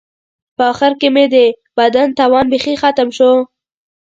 په آخر کې مې د بدن توان بیخي ختم شو.